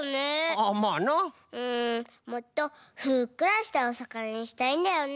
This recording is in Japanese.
もっとふっくらしたおさかなにしたいんだよね。